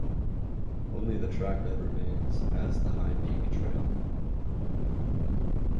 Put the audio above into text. Only the trackbed remains as the High Peak Trail.